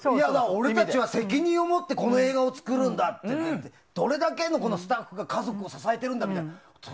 俺たちは責任をもってこの映画を作るんだってどれだけのスタッフが家族を支えるんだって。